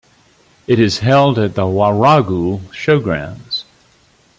It is held at the Warragul showgrounds.